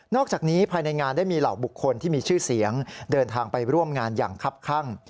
อกจากนี้ภายในงานได้มีเหล่าบุคคลที่มีชื่อเสียงเดินทางไปร่วมงานอย่างคับข้าง